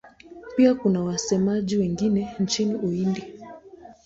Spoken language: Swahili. Pia kuna wasemaji wengine nchini Uhindi.